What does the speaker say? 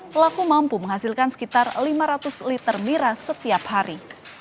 pelaku mampu menghasilkan sekitar lima ratus liter miras setiap hari